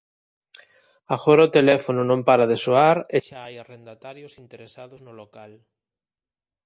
Agora o teléfono non para de soar e xa hai arrendatarios interesados no local.